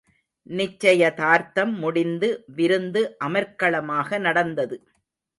நிச்சயதார்த்தம் முடிந்து விருந்து அமர்க்களமாக நடந்தது.